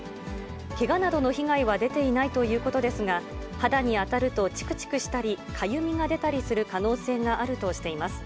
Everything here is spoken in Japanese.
けがなどの被害は出ていないということですが、肌に当たるとちくちくしたり、かゆみが出たりする可能性があるとしています。